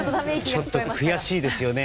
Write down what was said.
ちょっと悔しいですよね